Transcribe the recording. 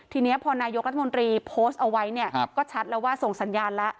ทีนี้พอนายกรัฐมนตรีโพสต์เอาไว้เนี่ยก็ชัดแล้วว่าส่งสัญญาณแล้ว